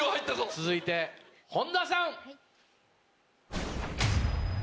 続いて本田さん。